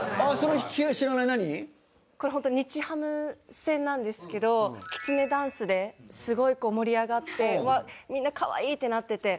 これ本当日ハム戦なんですけどきつねダンスですごい盛り上がってうわっみんな可愛い！ってなってて。